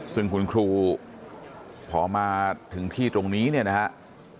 ซึ่งคุณครูพอมาถึงที่ตรงนี้เนี่ยนะครับ